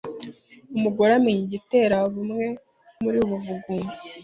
umugore amenya igitera bumwe muri ubu bugumba,